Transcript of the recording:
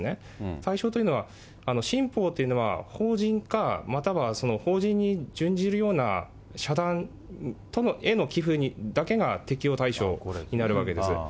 対象というのは、新法というのは、法人か、または法人に準じるような社団への寄付だけが適用対象になるわけです。